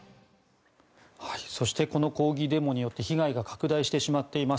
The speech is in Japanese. そしてこの抗議デモによって被害が拡大してしまっています。